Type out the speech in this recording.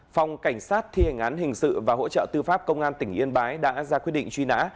phòng cảnh sát thi hành án hình sự và hỗ trợ tư pháp công an tỉnh yên bái đã ra quyết định truy nã